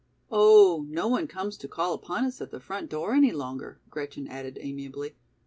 "Oh, no one comes to call upon us at the front door any longer," Gretchen added amiably.